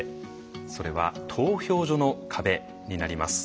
それは投票所の壁になります。